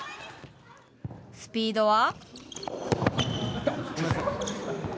スピードは。